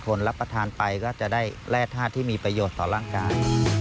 รับประทานไปก็จะได้แร่ธาตุที่มีประโยชน์ต่อร่างกาย